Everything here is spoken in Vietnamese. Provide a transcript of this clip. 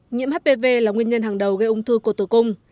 nhiễm hpv là nguyên nhân hàng đầu gây ung thư cổ tử cung